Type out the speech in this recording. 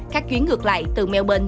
các chuyến ngược lại từ melbourne